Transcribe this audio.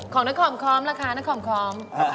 ของนักคอมละคะนักคอม